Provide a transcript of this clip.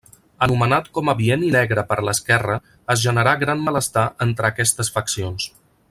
Anomenat com a Bienni Negre per l'esquerra es generà gran malestar entre aquestes faccions.